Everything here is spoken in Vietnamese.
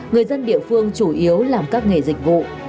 người dân địa phương chủ yếu làm các nghề dịch vụ